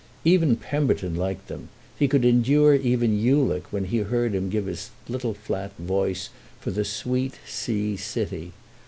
Even Pemberton liked them then; he could endure even Ulick when he heard him give his little flat voice for the "sweet sea city."